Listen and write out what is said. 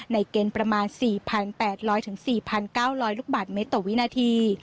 เกณฑ์ประมาณ๔๘๐๐๔๙๐๐ลูกบาทเมตรต่อวินาที